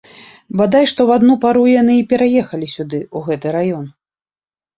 Бадай што ў адну пару яны і пераехалі сюды, у гэты раён.